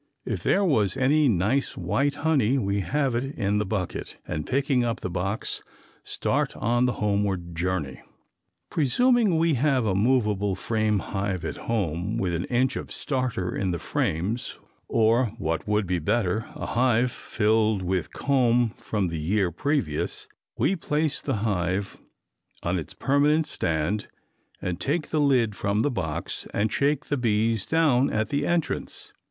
If there was any nice white honey we have it in the bucket and picking up the box start on the homeward journey. Presuming we have a movable frame hive at home with an inch of starter in the frames or, what would be better, a hive filled with comb from the year previous, we place the hive on its permanent stand and take the lid from the box and shake the bees down at the entrance.